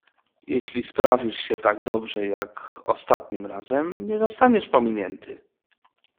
"Jeśli sprawisz się tak dobrze, jak ostatnim razem, nie zostaniesz pominięty."